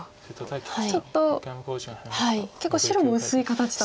ちょっと結構白も薄い形と。